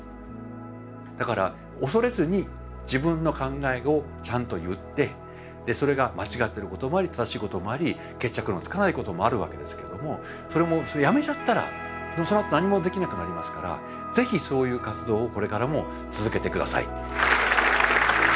だから恐れずに自分の考えをちゃんと言ってそれが間違ってることもあり正しいこともあり決着のつかないこともあるわけですけどもそれもやめちゃったらそのあと何もできなくなりますから是非そういう活動をこれからも続けて下さい。